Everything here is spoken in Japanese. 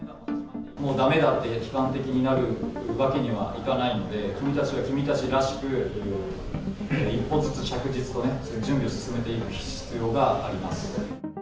もうだめだって悲観的になるわけにはいかないので、君たちは君たちらしく、一歩ずつ着実に準備を進めていく必要があります。